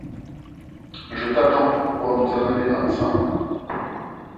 Je t’attends pour pouvoir nous en aller ensemble.